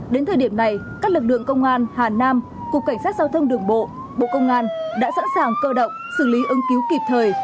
đến thời điểm này các lực lượng công an hà nam cục cảnh sát giao thông đường bộ bộ công an đã sẵn sàng cơ động xử lý ứng cứu kịp thời